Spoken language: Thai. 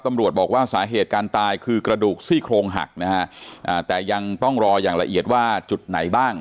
ตำรวจบอกว่าสาเหตุการตายคือกระดูกซี่โครงหักนะฮะแต่ยังต้องรออย่างละเอียดว่าจุดไหนบ้าง